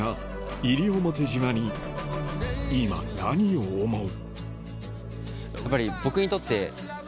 西表島に今何を思う？